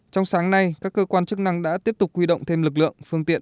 trong sáng nay các cơ quan chức năng đã tiếp tục quy động thêm lực lượng